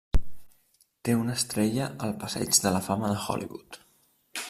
Té una estrella al Passeig de la Fama de Hollywood.